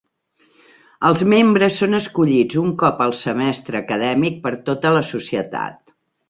Els membres són escollits un cop al semestre acadèmic per tota la societat.